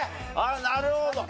なるほど。